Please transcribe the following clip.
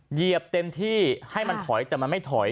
เหยียบเต็มที่ให้มันถอยแต่มันไม่ถอย